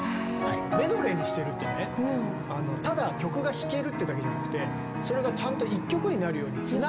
メドレーにしてるってねただ曲が弾けるってだけじゃなくてそれがちゃんと１曲になるようにつなぎを自分で作ってるんだよね。